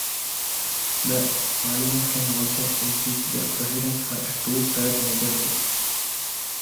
The Parliament can also impeach the President by a two-thirds majority.